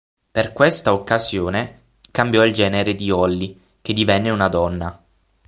Per questa occasione, cambiò il genere di "Ollie", che divenne una donna.